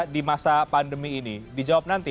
di masa pandemi ini dijawab nanti